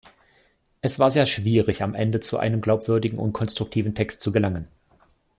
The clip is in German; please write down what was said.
Es war sehr schwierig, am Ende zu einem glaubwürdigen und konstruktiven Text zu gelangen.